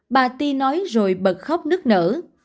bà ti nói rồi bật khóc nước nở